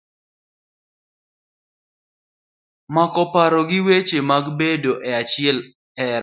Moko paro ni weche mag bedo e achiel e hera.